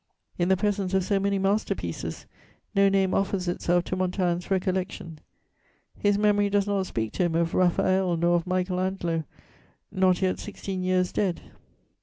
In the presence of so many master pieces, no name offers itself to Montaigne's recollection; his memory does not speak to him of Raphael nor of Michael Angelo, not yet sixteen years dead.